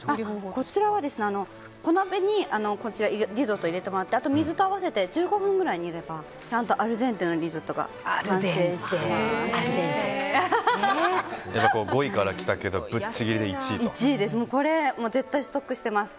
こちらは小鍋にリゾットを入れてもらって水と合わせて１５分ぐらい煮ればちゃんとアルデンテのリゾットが完成します。